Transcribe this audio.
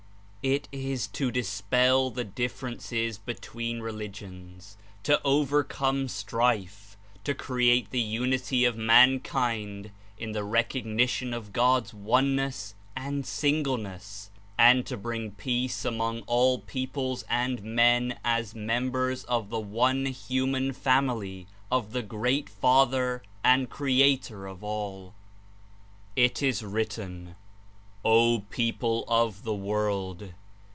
It is to dispel the differences between religions, to overcome strife, to create the unity of mankind In the recognition of God's Oneness and Singleness, and to bring peace among all peoples and men as members of the one human family of the great Father and Creator of all. It is written : ''O people of the world!